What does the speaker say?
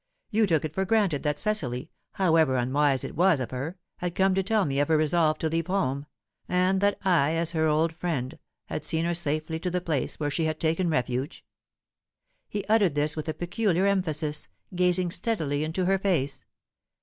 You took it for granted that Cecily however unwise it was of her had come to tell me of her resolve to leave home, and that I, as her old friend, had seen her safely to the place where she had taken refuge?" He uttered this with a peculiar emphasis, gazing steadily into her face.